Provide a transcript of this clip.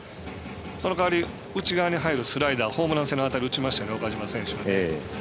その代わり内側に入るスライダーをホームラン性の当たりを打ちましたよね。